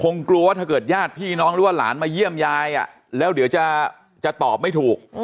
กลัวว่าถ้าเกิดญาติพี่น้องหรือว่าหลานมาเยี่ยมยายแล้วเดี๋ยวจะตอบไม่ถูก